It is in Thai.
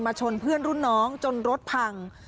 ชนเพื่อนรุ่นน้องจนรถพัง